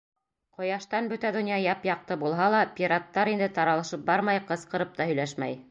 Ҡояштан бөтә донъя яп-яҡты булһа ла, пираттар инде таралышып бармай, ҡысҡырып та һөйләшмәй.